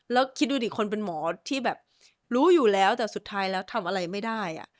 แล้วคิดดูดิคนเป็นหมอที่แบบรู้อยู่แล้วแต่สุดท้ายแล้วทำอะไรไม่ได้